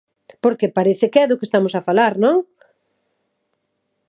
Porque parece que é do que estamos a falar, ¿non?